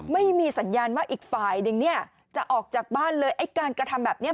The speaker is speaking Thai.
ไม่มีสัญญาณว่าอีกฝ่ายนึงเนี่ยจะออกจากบ้านเลยไอ้การกระทำแบบนี้